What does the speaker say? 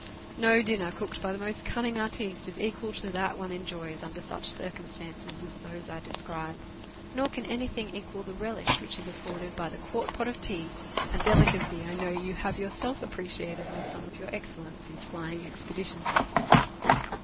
No dinner cooked by the most cunning artiste is equal to that one enjoys under such circumstances as those I describe, nor can anything equal the relish which is afforded by the quart pot of tea, a delicacy I know you have yourself appreciated on some of your Excellency's flying expeditions.